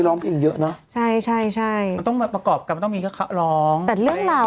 ตอนต่อไปตอนต่อไป